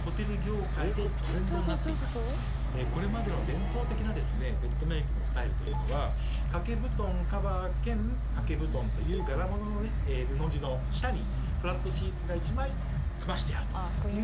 これまでの伝統的なベッドメイクのスタイルはかけ布団カバー兼かけ布団という柄物の布地の下にフラットシーツが１枚かましてあるスタイルだった。